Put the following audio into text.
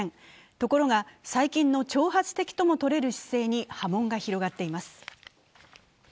ところが、最近の挑発的ともとれる姿勢に波紋が広がっています。